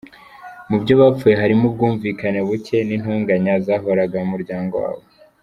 Mu byo bapfuye harimo ubwumvikane buke n’intonganya zahoraga mu muryango wabo.